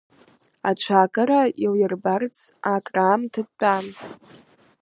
Ацәаакыра илаирбарц, акраамҭа дтәан.